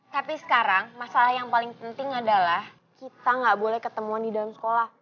tapi sekarang masalah yang paling penting adalah kita nggak boleh ketemuan di dalam sekolah